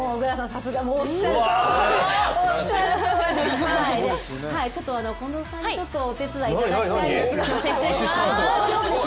さすが、おっしゃるとおり近藤さんにお手伝いいただきたいんですが。